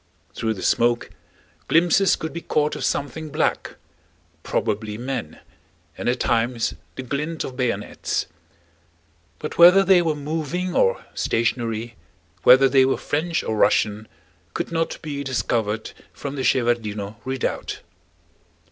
Through the smoke glimpses could be caught of something black—probably men—and at times the glint of bayonets. But whether they were moving or stationary, whether they were French or Russian, could not be discovered from the Shevárdino Redoubt.